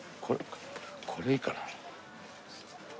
これでいいかな。